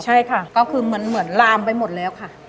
ใช่ค่ะก็คือเหมือนลามไปหมดแล้วค่ะ